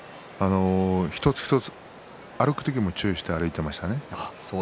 一つ一つ歩く時も注意していました。